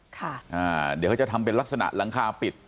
เดี๋ยวเขาจะทำเป็นลักษณะหลังคาปิด